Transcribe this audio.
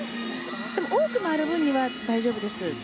ただ多く回る分には大丈夫です。